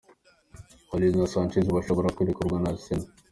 Ozil na Sanchez bashobora kurekugwa na Arsena.